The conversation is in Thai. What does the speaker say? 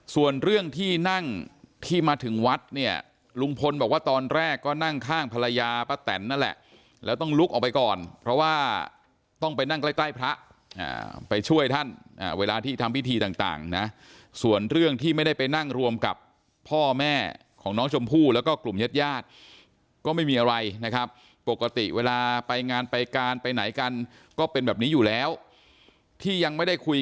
ส่วนเรื่องที่นั่งที่มาถึงวัดเนี่ยลุงพลบอกว่าตอนแรกก็นั่งข้างภรรยาป้าแตนนั่นแหละแล้วต้องลุกออกไปก่อนเพราะว่าต้องไปนั่งใกล้ใกล้พระไปช่วยท่านเวลาที่ทำพิธีต่างนะส่วนเรื่องที่ไม่ได้ไปนั่งรวมกับพ่อแม่ของน้องชมพู่แล้วก็กลุ่มญาติญาติก็ไม่มีอะไรนะครับปกติเวลาไปงานไปการไปไหนกันก็เป็นแบบนี้อยู่แล้วที่ยังไม่ได้คุย